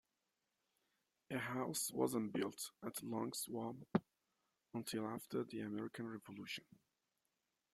A house wasn't built at Longswamp until after the American Revolution.